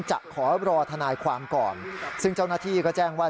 จะขอรอทนายความก่อนซึ่งเจ้าหน้าที่ก็แจ้งว่า